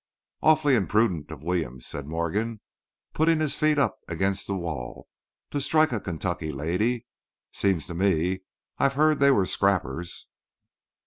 "Awfully imprudent of Williams," said Morgan, putting his feet up against the wall, "to strike a Kentucky lady. Seems to me I've heard they were scrappers."